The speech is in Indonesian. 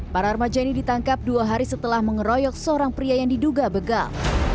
para remaja ini ditangkap dua hari setelah mengeroyok seorang pria yang diduga begal